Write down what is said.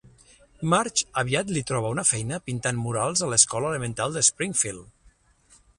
Marge aviat li troba una feina pintant murals a l'escola elemental de Springfield.